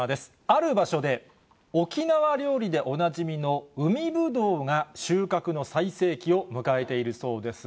ある場所で、沖縄料理でおなじみの海ぶどうが収穫の最盛期を迎えているそうです。